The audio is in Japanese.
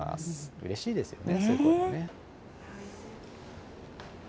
うれしいですよね。